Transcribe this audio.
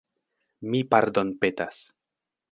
Mi pardonpetas!